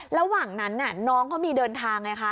ระหว่างนั้นน้องเขามีเดินทางไงคะ